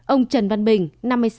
ông trần văn bình